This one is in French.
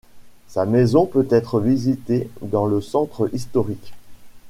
Sa maison peut être visitée dans le centre historique.